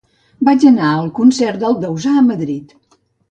Vaig anar al concert del Dausà a Madrid.